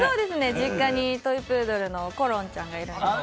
実家にトイプードルのコロンちゃんがいます。